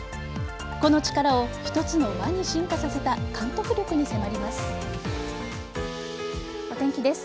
個の力を一つの輪に進化させた監督力に迫ります。